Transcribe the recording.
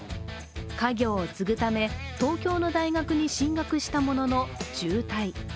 家業を継ぐため、東京の大学に進学したものの中退。